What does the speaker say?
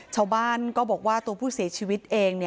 ชาวบ้านก็บอกว่าตัวผู้เสียชีวิตเอง